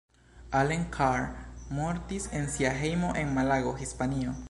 Allen Carr mortis en sia hejmo en Malago, Hispanio.